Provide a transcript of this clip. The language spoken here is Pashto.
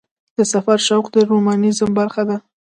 د سفر شوق د رومانتیزم برخه ده.